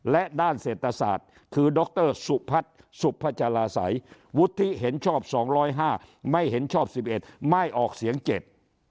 และด้านเศรษฐศาสตร์คือดรสุภัทรสุภจาราศัยวุฒิเห็นชอบ๒๐๕คะแนนไม่เห็นชอบ๑๑คะแนนไม่ออกเสียง๗คะแนน